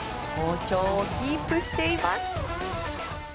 好調をキープしています。